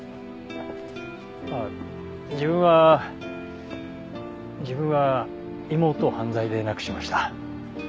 あっ自分は自分は妹を犯罪で亡くしました。